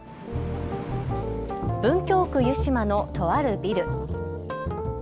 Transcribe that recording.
文京区湯島のとあるビル。